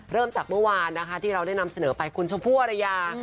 เริ่มจากเมื่อวานนะคะที่เราได้นำเสนอไปคุณชมพู่อรยา